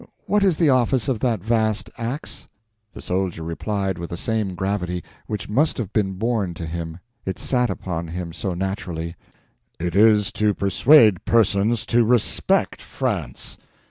What is the office of that vast ax?" The soldier replied with the same gravity—which must have been born to him, it sat upon him so naturally: "It is to persuade persons to respect France."